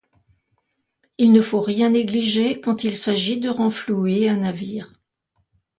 Il ne faut rien négliger, quand il s’agit de renflouer un navire.